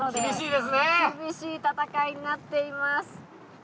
厳しい戦いになっています。